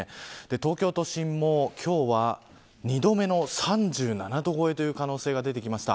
東京都心も今日は２度目の３７度超えという可能性が出てきました。